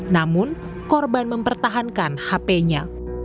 namun korban mempertahankan hp nya